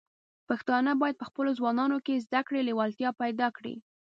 پښتانه بايد په خپلو ځوانانو کې د زده کړې لیوالتیا پيدا کړي.